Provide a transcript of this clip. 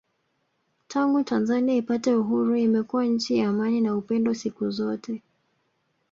Tangu Tanzania ipate Uhuru imekuwa nchi ya amani na upendo siku zote